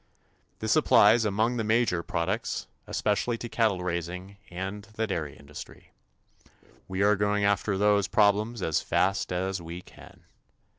This applies among the major products, especially to cattle raising and the dairy industry. We are going after those problems as fast as we can.